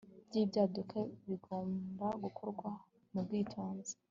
by ibyaduka kigomba gukorwa mu bwitonzi